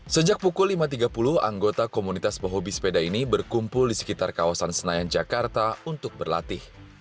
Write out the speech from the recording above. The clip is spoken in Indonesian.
sejak pukul lima tiga puluh anggota komunitas pehobi sepeda ini berkumpul di sekitar kawasan senayan jakarta untuk berlatih